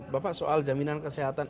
bapak soal jaminan kesehatan